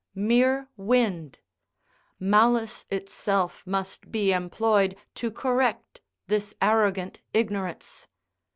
Mere wind! Malice itself must be employed to correct this arrogant ignorance.